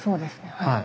はい。